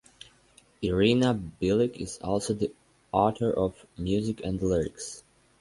Iryna Bilyk is also the author of music and lyrics.